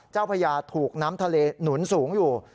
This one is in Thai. เจ้าพระยาถูกน้ำทะเลหนุนสูงอยู่